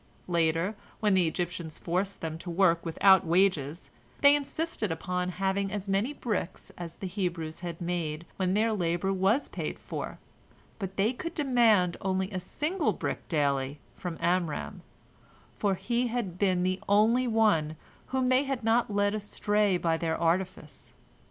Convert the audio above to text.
Later, when the Egyptians forced them to work without wages, they insisted upon having as many bricks as the Hebrews had made when their labor was paid for, but they could demand only a single brick daily from Amram, for he had been the only one whom they had not led astray by their artifice.